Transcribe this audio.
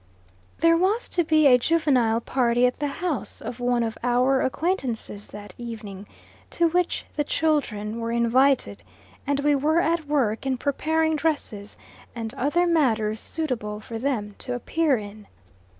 There was to be a juvenile party at the house of one of our acquaintances that evening, to which the children were invited; and we were at work in preparing dresses and other matters suitable for them to appear in.